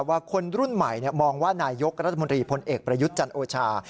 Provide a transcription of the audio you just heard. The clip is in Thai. ว่าคนรุ่นใหม่มองว่านายกรัฐมนตรีพลเอกประยุทธ์จันโอชา